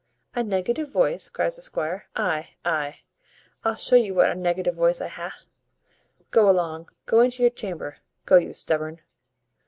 "A negative voice!" cries the squire, "Ay! ay! I'll show you what a negative voice I ha. Go along, go into your chamber, go, you stubborn